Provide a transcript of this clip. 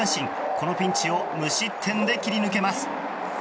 このピンチを無失点で切り抜けます。